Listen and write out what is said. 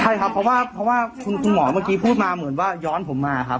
ใช่ครับเพราะว่าคุณหมอเมื่อกี้พูดมาเหมือนว่าย้อนผมมาครับ